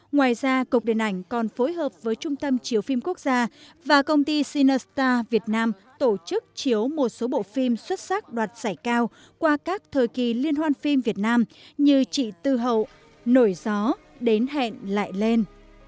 ngoài ra cục điện ảnh còn phối hợp với trung tâm chiếu phim quốc gia và công ty sinusta việt nam tổ chức chiếu một số bộ phim xuất sắc đoạt giải cao qua các thời kỳ liên hoan phim việt nam như chị tư hậu nổi gió đến hẹn lại lên